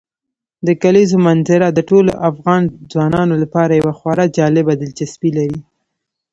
د کلیزو منظره د ټولو افغان ځوانانو لپاره یوه خورا جالب دلچسپي لري.